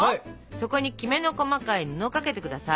そこにキメの細かい布をかけてください。